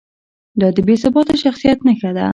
دا د بې ثباته شخصیت نښه ده.